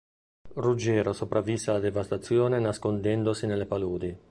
Ruggero sopravvisse alla devastazione nascondendosi nelle paludi.